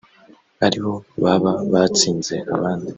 aribo baba batsinze abandi